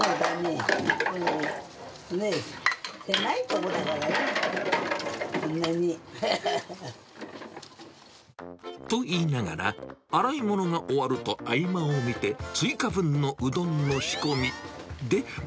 でも狭い所だからね、と言いながら、洗いものが終わると、合間を見て、追加分のうどんの仕込み。